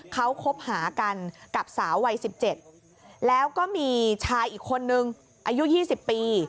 เขาคบหากันกับสาววัย๑๗แล้วก็มีชายอีกคนนึงอายุ๒๐ปี